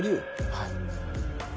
はい。